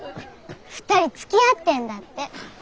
２人つきあってんだって。